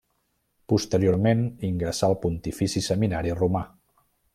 Posteriorment ingressà al Pontifici Seminari Romà.